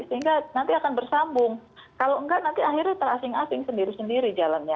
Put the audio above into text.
sehingga nanti akan bersambung kalau enggak nanti akhirnya terasing asing sendiri sendiri jalannya